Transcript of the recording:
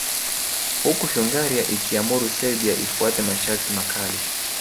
Huku Hungaria ikiamuru Serbia ifuate masharti makali